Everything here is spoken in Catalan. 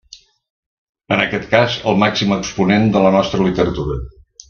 En aquest cas el màxim exponent de la nostra literatura.